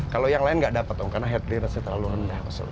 kalau yang lain tidak dapat karena head clearance nya terlalu rendah